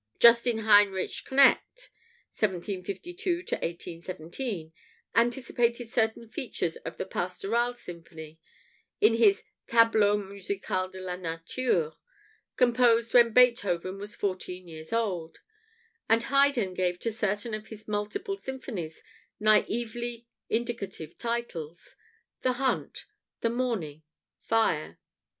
Justin Heinrich Knecht (1752 1817) anticipated certain features of the "Pastoral" symphony in his "Tableau musical de la nature," composed when Beethoven was fourteen years old; and Haydn gave to certain of his multiple symphonies naively indicative titles "The Hunt," "The Morning," "Fire."